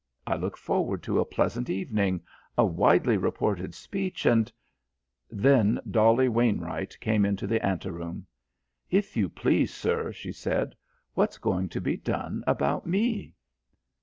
I look forward to a pleasant evening, a widely reported speech, and " Then Dolly Wainwright came into the ante room. "If you please, sir," she said, "what's going to be done about me?"